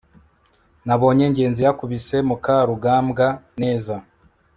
nabonye ngenzi yakubise mukarugambwa neza